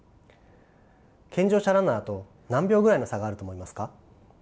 健常者ランナーと何秒ぐらいの差があると思いますか？